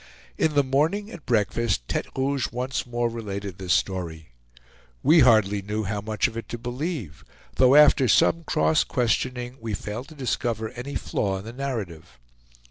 In the morning at breakfast, Tete Rouge once more related this story. We hardly knew how much of it to believe, though after some cross questioning we failed to discover any flaw in the narrative.